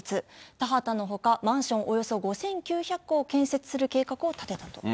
田畑のほか、マンションおよそ５９００戸を建設する計画を立てたと。